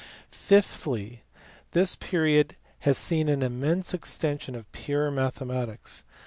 Fifthly, this period has seen an immense extension of pure mathematics.